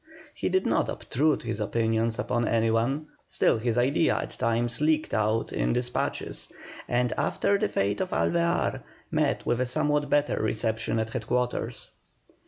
He did not obtrude his opinions upon any one, still his idea at times leaked out in despatches, and after the fate of Alvear, met with a somewhat better reception at headquarters.